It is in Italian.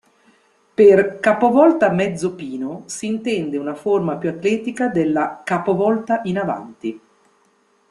Per "capovolta mezzo pino" si intende una forma più atletica della "capovolta in avanti".